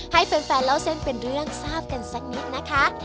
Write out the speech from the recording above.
ให้แฟนเล่าเส้นเป็นเรื่องทราบกันสักนิดนะคะ